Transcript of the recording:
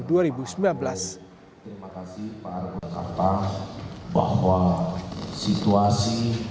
terima kasih pak arief kampang bahwa situasi